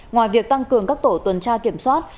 ngoài việc tăng cường các tổ tuần tra kiểm soát